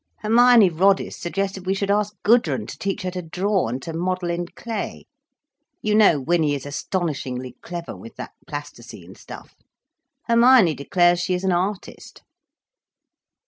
"Hermione Roddice suggested we should ask Gudrun to teach her to draw and to model in clay. You know Winnie is astonishingly clever with that plasticine stuff. Hermione declares she is an artist."